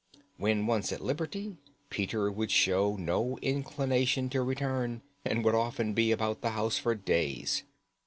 When once at liberty Peter would show no inclination to return, and would often be about the house for days.